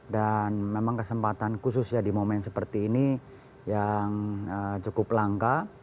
dan memang kesempatan khususnya di momen seperti ini yang cukup langka